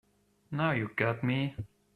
Now you got me.